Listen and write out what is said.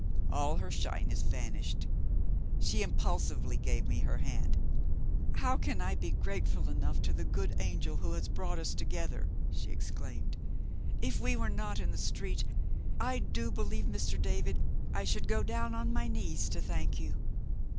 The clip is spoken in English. All her shyness vanished. She impulsively gave me her hand. "How can I be grateful enough to the good angel who has brought us together!" she exclaimed. "If we were not in the street, I do believe, Mr. David, I should go down on my knees to thank you!